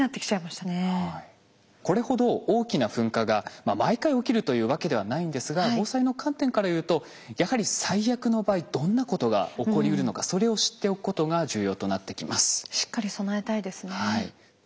これほど大きな噴火が毎回起きるというわけではないんですが防災の観点から言うとやはり最悪の場合どんなことが起こりうるのかそれを知っておくことが重要となってきます。